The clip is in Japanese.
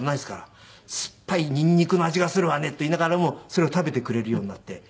酸っぱいニンニクの味がするわねって言いながらもそれを食べてくれるようになって。